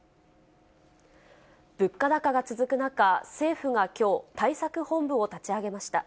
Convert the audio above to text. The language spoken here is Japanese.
物価高が続く中、政府がきょう、対策本部を立ち上げました。